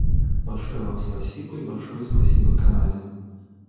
Большое Вам спасибо и большое спасибо Канаде.